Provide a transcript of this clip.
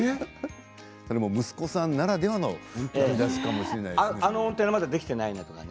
息子さんならではのかもしれないですね。